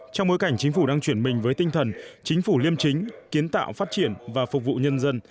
trong bối cảnh chính phủ đang chuyển mình với tinh thần chính phủ liêm chính kiến tạo phát triển và phục vụ nhân dân